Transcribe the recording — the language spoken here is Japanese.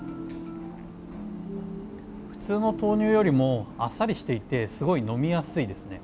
普通の豆乳よりもあっさりしていてすごい飲みやすいですね。